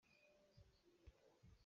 Kan rian cu hmai ah nawr usih.